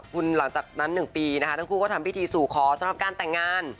คุณหลังจากนั้น๑ปีนะคะทั้งคู่ก็ทำพิธีสู่ขอสำหรับการแต่งงาน